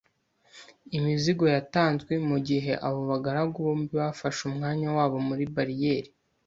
imizigo yatanzwe, mugihe abo bagaragu bombi bafashe umwanya wabo muri bariyeri